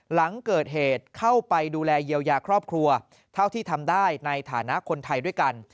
หลังเกิดเหตุเข้าไปดูแลเยียวยาครอบครัวเท่าที่ทำได้ในฐานะคนไทยด้วยกัน